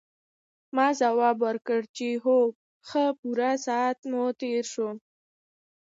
ما ځواب ورکړ چې هو ښه پوره ساعت مو تېر شو.